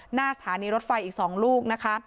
หน้าสถานีรถไฟอีก๒ลูกนะคะ